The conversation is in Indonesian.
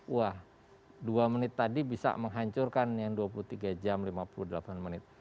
wah dua menit tadi bisa menghancurkan yang dua puluh tiga jam lima puluh delapan menit